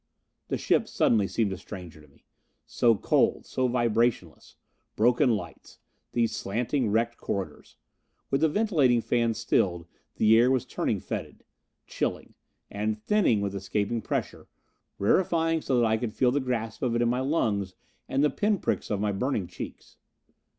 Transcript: The ship suddenly seemed a stranger to me. So cold. So vibrationless. Broken lights. These slanting, wrecked corridors. With the ventilating fans stilled, the air was turning fetid. Chilling. And thinning, with escaping pressure, rarifying so that I could feel the grasp of it in my lungs and the pin pricks of my burning cheeks.